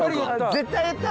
絶対言った！